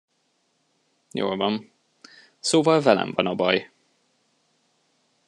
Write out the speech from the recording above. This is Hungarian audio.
Jól van, szóval, velem van a baj.